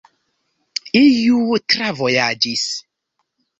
Iu travojaĝis.